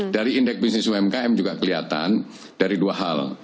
dari indeks bisnis umkm juga kelihatan dari dua hal